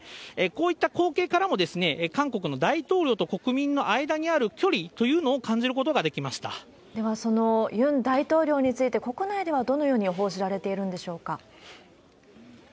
こういった光景からも、韓国の大統領と国民の間にある距離というのを感じることができまでは、そのユン大統領について、国内ではどのように報じられているんでしょうか？